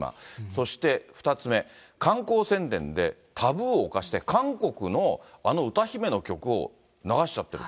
そして２つ目、観光宣伝でタブーを犯して、韓国のあの歌姫の曲を流しちゃってる。